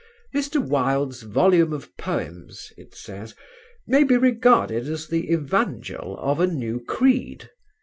"Mr. Wilde's volume of poems," it says, "may be regarded as the evangel of a new creed.